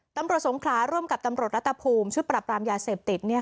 สงขลาร่วมกับตำรวจรัฐภูมิชุดปรับปรามยาเสพติด